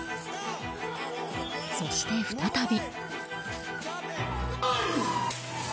そして再び。